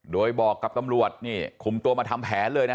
โดยบอกกับตำรวจนี่คุมตัวมาทำแผนเลยนะฮะ